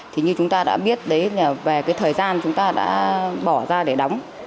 thì như chúng ta đã biết đấy là về cái thời gian chúng ta đã bỏ ra để đóng